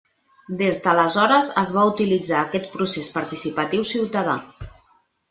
Des d'aleshores es va utilitzar aquest procés participatiu ciutadà.